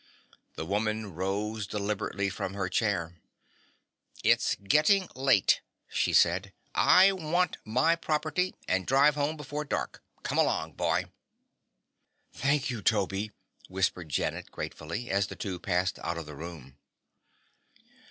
The woman rose deliberately from her chair. "It's getting late," she said. "I want to get my property and drive home before dark. Come along, boy." "Thank you, Toby," whispered Janet, gratefully, as the two passed out of the room.